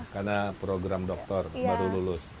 karena program doktor baru lulus